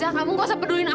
ini dia pengen crisp